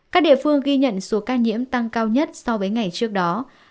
các địa phương ghi nhận số ca nhiễm tăng cao nhất so với ngày trước đó